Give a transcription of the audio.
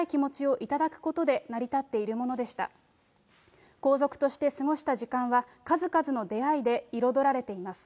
皇族として過ごした時間は、数々の出会いで彩られています。